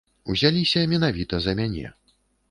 Узяліся менавіта за мяне.